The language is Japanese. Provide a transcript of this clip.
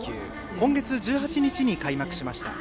今月１８日に開幕しました。